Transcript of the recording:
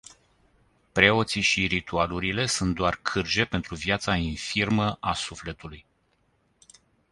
Preoții și ritualurile sunt doar cârje pentru viața infirmăa sufletului.